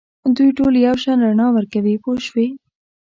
دوی ټول یو شان رڼا ورکوي پوه شوې!.